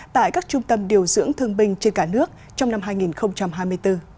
tại các trung tâm điều dưỡng thương binh trên cả nước trong năm hai nghìn hai mươi bốn